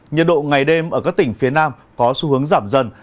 nhiệt độ ngày đêm ở các tỉnh phía nam có xu hướng giảm dần